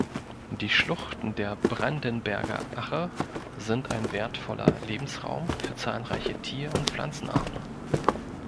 Die Schluchten der Brandenberger Ache sind ein wertvoller Lebensraum für zahlreiche Tier- und Pflanzenarten.